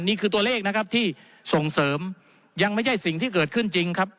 นี่คือตัวเลขนะครับที่ส่งเสริมยังไม่ใช่สิ่งที่เกิดขึ้นจริงครับ